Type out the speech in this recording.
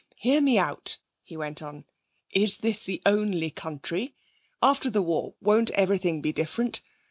'Hear me out,' he went on. 'Is this the only country? After the war, won't everything be different?